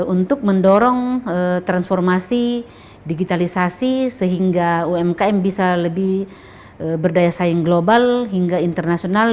untuk mendorong transformasi digitalisasi sehingga umkm bisa lebih berdaya saing global hingga internasional